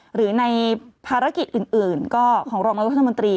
หรือในภารกิจอื่นก็ของรองรัฐมนตรี